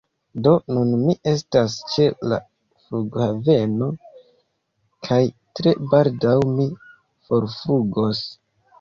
Do, nun mi estas ĉe la flughaveno, kaj tre baldaŭ mi forflugos.